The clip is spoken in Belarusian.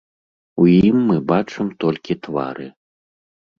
У ім мы бачым толькі твары.